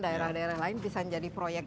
daerah daerah lain bisa menjadi proyek